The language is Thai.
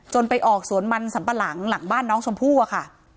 ไปออกสวนมันสัมปะหลังหลังบ้านน้องชมพู่อะค่ะ